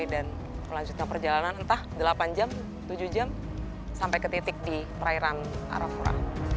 dan melanjutkan perjalanan entah delapan jam tujuh jam sampai ke titik di perairan arafura